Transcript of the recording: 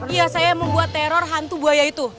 iya saya membuat teror hantu buaya itu